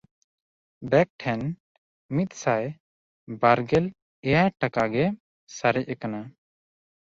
ᱵᱮᱠ ᱴᱷᱮᱱ ᱢᱤᱫᱥᱟᱭ ᱵᱟᱨᱜᱮᱞ ᱮᱭᱟᱭ ᱴᱟᱠᱟ ᱜᱮ ᱥᱟᱨᱮᱡ ᱠᱟᱱᱟ᱾